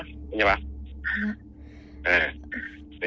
đó nha bà